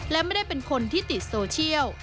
และไม่ได้เป็นคนที่ติดโซเชียล